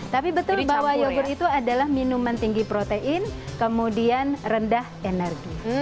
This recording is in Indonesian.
tapi betul bahwa yogurt itu adalah minuman tinggi protein kemudian rendah energi